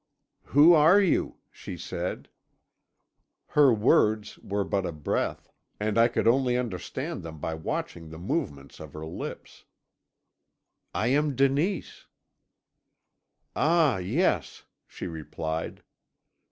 "'Who are you?' she said. "Her words were but a breath, and I could only understand them by watching the movements of her lips. "'I am Denise.' "'Ah, yes,' she replied.